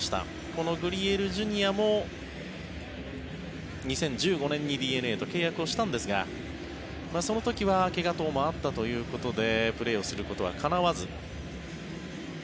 このグリエルＪｒ．も２０１５年にＤｅＮＡと契約したんですがその時は怪我等もあったということでプレーをすることはかなわず。